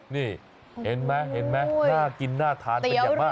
นี่เห็นมั้ยน่ากินน่าทานไปยังมัก